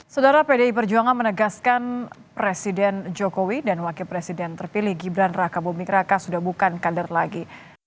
saudara pdi perjuangan menegaskan presiden jokowi dan wakil presiden terpilih gibran raka buming raka sudah bukan kader lagi